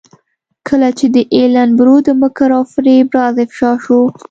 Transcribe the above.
کله چې د ایلن برو د مکر او فریب راز افشا شو.